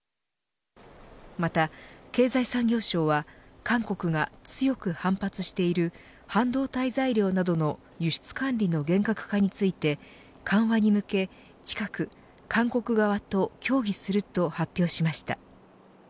また、経済産業省は韓国が強く反発している半導体材料などの輸出管理の厳格化について緩和に向け、近く韓国側と協議すると発表しました。